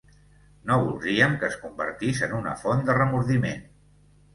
No voldríem que es convertís en una font de remordiment.